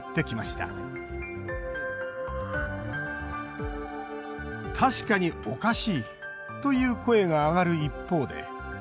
「たしかに、おかしい」という声が挙がる一方で。